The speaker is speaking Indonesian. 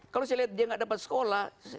kalau saya lihat dia nggak dapat sekolah